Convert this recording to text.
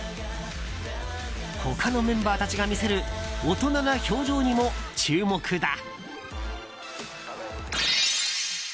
他のメンバーたちが見せる大人な表情にも注目だ。